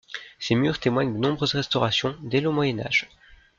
Ses murs témoignent de nombreuses restaurations dès le Moyen Âge.